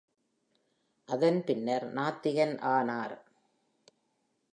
அவர் பின்னர் நாத்திகன் ஆனார்.